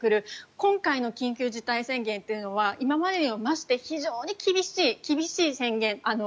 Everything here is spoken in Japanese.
今回の緊急事態宣言というのは今までより増して非常に厳しい宣言。